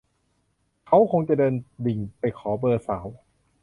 เขาคงจะเดินดิ่งไปขอเบอร์สาว